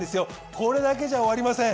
これだけじゃ終わりません。